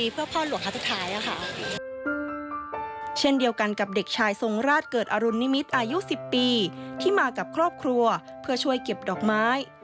พระองค์รุณนิมิตรอายุ๑๐ปีที่มากับครอบครัวเพื่อช่วยเก็บดอกไม้